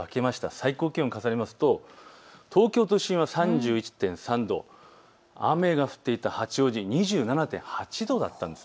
最高気温を重ねますと東京都心は３１．３度、雨が降っていた八王子２７．８度だったんです。